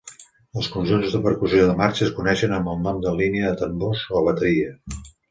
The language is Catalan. Els conjunts de percussió de marxa es coneixen amb el nom de línia de tambors o bateria.